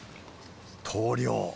投了。